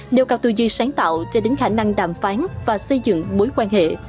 nêu cao tư duy sáng tạo cho đến khả năng đàm phán và xây dựng mối quan hệ